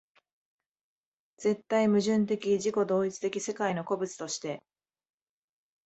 絶対矛盾的自己同一的世界の個物として